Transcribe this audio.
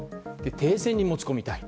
停戦に持ち込みたい。